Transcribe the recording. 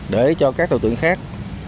để cho các đối tượng khác